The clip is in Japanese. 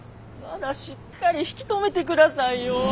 ならしっかり引き止めて下さいよ！